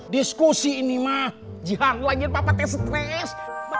diskusi ini mah jihan lagian papa teh stres